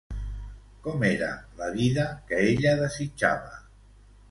Com era la vida que ella desitjava?